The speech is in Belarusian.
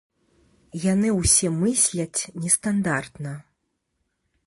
Яны ўсе мысляць нестандартна.